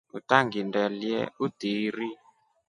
Utangindelye utiiri.